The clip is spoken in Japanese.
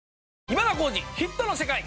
『今田耕司★ヒットの世界』。